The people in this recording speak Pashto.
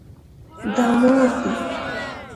دا مار دی